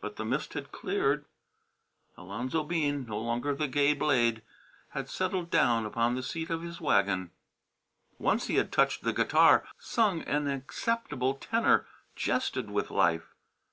But the mist had cleared. Alonzo Bean, no longer the gay blade, had settled down upon the seat of his wagon. Once he had touched the guitar, sung an acceptable tenor, jested with life.